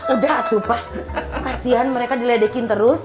udah aduh pak kasian mereka diledekin terus